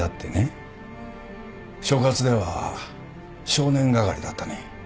所轄では少年係だったね。